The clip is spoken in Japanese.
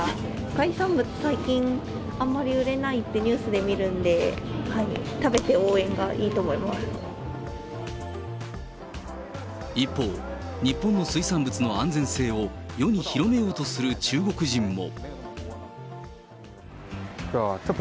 海産物、最近あんまり売れないってニュースで見るんで、食べて応援がいい一方、日本の水産物の安全性を世に広めようとする中国人も。